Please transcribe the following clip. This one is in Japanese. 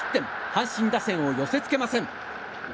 阪神打線を寄せ付けません。